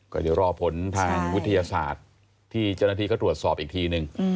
ก็เดี๋ยวรอผลทางวิทยาศาสตร์ที่เจ้าหน้าที่เขาตรวจสอบอีกทีนึง